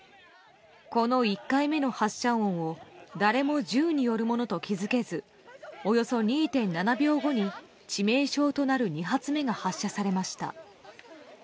この１回目の発射音を誰も銃によるものと気づけずおよそ２．７秒後に致命傷となる２発目が発射されました。